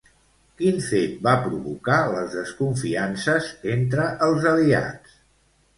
Quin fet va provocar les desconfiances entre els aliats?